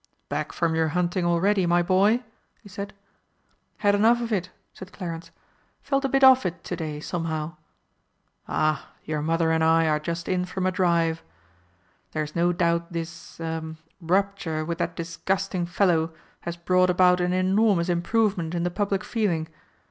"Back from your hunting already, my boy?" he said. "Had enough of it," said Clarence. "Felt a bit off it to day, somehow." "Ah, your mother and I are just in from a drive. There's no doubt this er rupture with that disgusting fellow has brought about an enormous improvement in the public feeling.